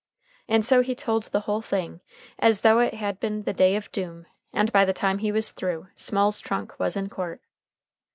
And so he told the whole thing as though it had been the day of doom, and by the time he was through, Small's trunk was in court.